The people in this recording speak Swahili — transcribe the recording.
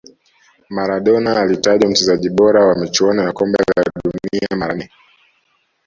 maradona alitajwa mchezaji bora wa michuano ya kombe la dunia mara nne